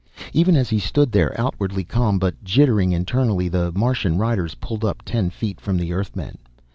Even as he stood there, outwardly calm but jittering internally, the Martian riders pulled up ten feet from the Earthmen.